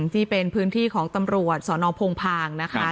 ที่เป็นพื้นที่ของตำรวจสนพงพางนะคะ